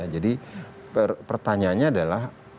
jadi pertanyaannya adalah